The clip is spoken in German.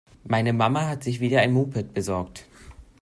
Meine Mama hat sich wieder ein Moped besorgt.